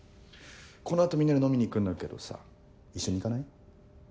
この後みんなで飲みに行くんだけどさ一緒に行かない？